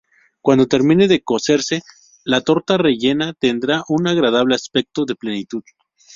Cuando termine de cocerse, la torta rellena tendrá un agradable aspecto de plenitud.